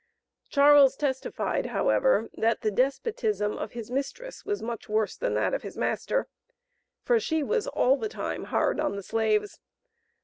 Charles testified, however, that the despotism of his mistress was much worse than that of his master, for she was all the time hard on the slaves.